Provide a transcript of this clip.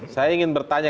saya ingin bertanya